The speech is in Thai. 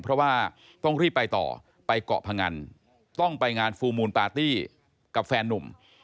เพราะว่าต้องรีบไปต่อไปเกาะพงันต้องไปงานฟูลมูลปาร์ตี้กับแฟนนุ่ม